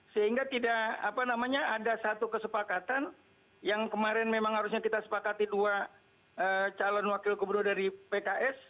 sehingga tidak ada satu kesepakatan yang kemarin memang harusnya kita sepakati dua calon wakil gubernur dari pks